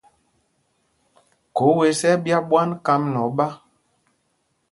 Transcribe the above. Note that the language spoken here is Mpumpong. Khǒ wes ɛ́ ɛ́ ɓyá ɓwán kám nɛ oɓá.